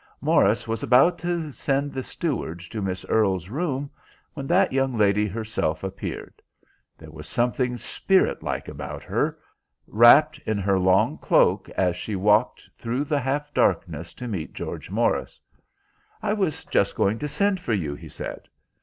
Morris was about to send the steward to Miss Earle's room, when that young lady herself appeared. There was something spirit like about her, wrapped in her long cloak, as she walked through the half darkness to meet George Morris. "I was just going to send for you," he said.